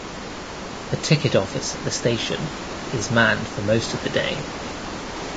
The ticket office at the station is manned for most of the day.